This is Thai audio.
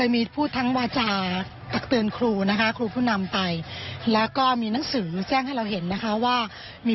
มันก็ไม่ได้ดังเท่านี้